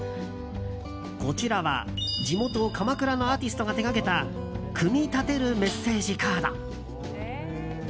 こちらは地元・鎌倉のアーティストが手掛けた組み立てるメッセージカード。